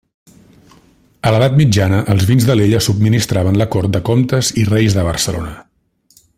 A l'Edat Mitjana els vins d'Alella subministraven la cort de comtes i reis de Barcelona.